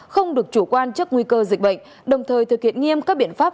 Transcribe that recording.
không được chủ quan trước nguy cơ dịch bệnh đồng thời thực hiện nghiêm các biện pháp